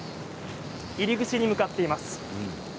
入り口に向かっています。